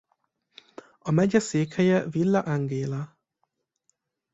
A megye székhelye Villa Ángela.